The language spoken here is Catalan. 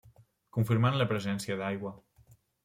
Confirmant la presència d'aigua.